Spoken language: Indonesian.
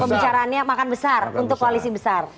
pembicaraannya makan besar untuk koalisi besar